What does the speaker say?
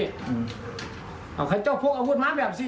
เอาคันเจ้าพกอาวุธม้าแบบนี้